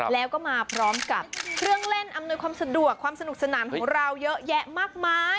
แล้วก็มาพร้อมกับเครื่องเล่นอำนวยความสะดวกความสนุกสนานของเราเยอะแยะมากมาย